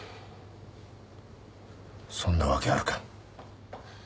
そんなわけあるか。